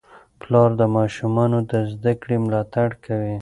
پلار د ماشومانو د زده کړې ملاتړ کوي.